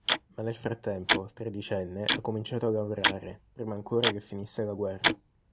Ma nel frattempo, tredicenne, ha cominciato a lavorare, prima ancora che finisse la guerra.